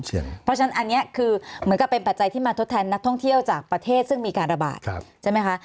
เพราะฉะนั้นอันนี้คือเหมือนกับเป็นปัจจัยที่มาทดแทนนักท่องเที่ยวจากประเทศซึ่งมีการระบาดใช่ไหมคะ